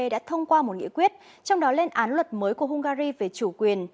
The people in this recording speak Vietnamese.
đã thông qua một nghị quyết trong đó lên án luật mới của hungary về chủ quyền